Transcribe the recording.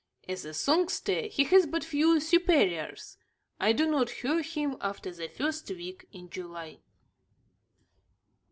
As a songster, he has but few superiors. I do not hear him after the first week in July.